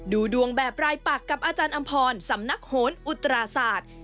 ดูดวงแบบรายปักกับอาจารย์อำพรสำนักโหนอุตราศาสตร์